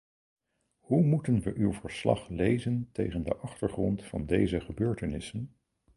Hoe moeten we uw verslag lezen tegen de achtergrond van deze gebeurtenissen?